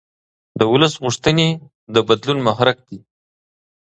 د ولس غوښتنې د بدلون محرک دي